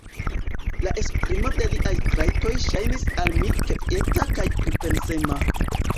La esprimo de liaj trajtoj ŝajnis al mi kvieta kaj pripensema.